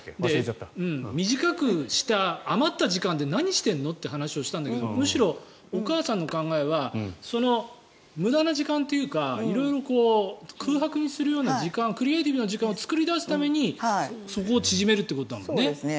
短くした余った時間で何してるの？って話をしたんだけどむしろお母さんの考えは無駄な時間というか色々空白にするような時間クリエーティブな時間を作り出すためにそこを縮めるということだもんね